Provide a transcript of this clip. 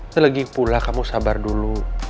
selagi pula kamu sabar dulu